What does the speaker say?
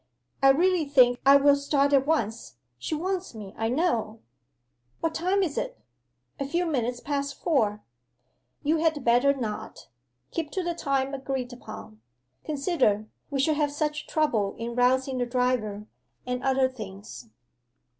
I really think I will start at once. She wants me, I know.' 'What time is it?' 'A few minutes past four.' 'You had better not. Keep to the time agreed upon. Consider, we should have such a trouble in rousing the driver, and other things.